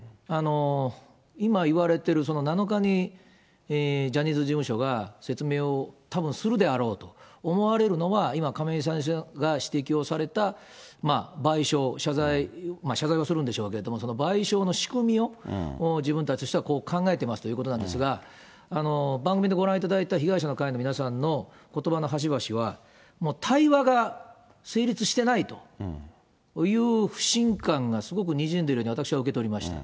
今言われている、７日にジャニーズ事務所が説明をたぶんするであろうと思われるのは、今、亀井先生が指摘をされた賠償、謝罪、謝罪はするんでしょうけれども、その賠償の仕組みを自分たちとしてはこう考えていますということなんですが、番組でご覧いただいた被害者の会の皆さんのことばの端々は、もう対話が成立してないという不信感がすごくにじんでいるように、私は受け取りました。